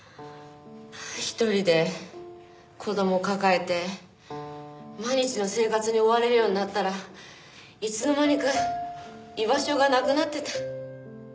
一人で子供を抱えて毎日の生活に追われるようになったらいつの間にか居場所がなくなってた。